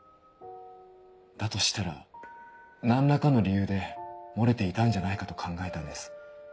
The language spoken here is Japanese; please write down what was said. だとしたら何らかの理由で漏れていたんじゃないかと考えたんです。